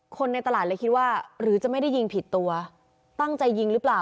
คนในตลาดเลยคิดว่าหรือจะไม่ได้ยิงผิดตัวตั้งใจยิงหรือเปล่า